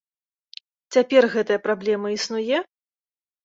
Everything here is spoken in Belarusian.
Цяпер гэтая праблема існуе?